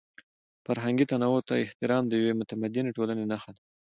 فرهنګي تنوع ته احترام د یوې متمدنې ټولنې نښه ده.